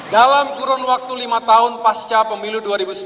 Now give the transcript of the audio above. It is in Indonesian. dalam kurun waktu lima tahun pasca pemilu dua ribu sembilan belas